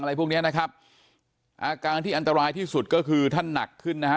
พวกเนี้ยนะครับอาการที่อันตรายที่สุดก็คือท่านหนักขึ้นนะฮะ